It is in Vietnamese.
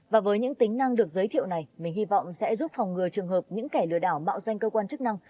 và với những tính năng được giới thiệu này mình hy vọng sẽ giúp phòng ngừa trường hợp những kẻ lừa đảo mạo danh cơ quan chức năng